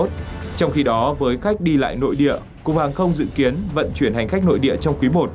trong khi đó với khách đi lại nội địa cục hàng không dự kiến vận chuyển hành khách nội địa trong quý i